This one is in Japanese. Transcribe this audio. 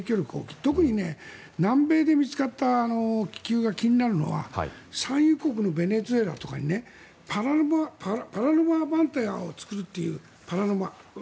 特に南米で見つかった気球が気になるのは産油国のベネズエラとかにパラボラアンテナを作るという。